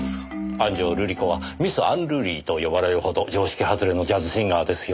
安城瑠里子はミス・アンルーリーと呼ばれるほど常識外れのジャズシンガーですよ。